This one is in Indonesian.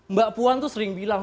mbak puan tuh sering bilang